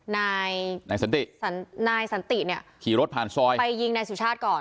นายสันตินี่ขี่รถผ่านซอยไปยิงนายสุชาติก่อน